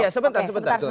iya sebentar sebentar